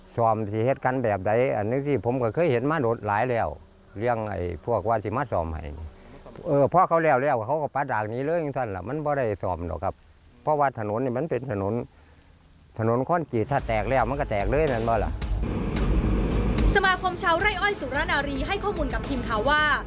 สมาคมชาวไร่อ้อยสุรนารีให้ข้อมูลกับทีมข่าวว่า